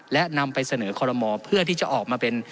และนำไปเสนอคอลโมเพื่อที่จะออกมาเป็น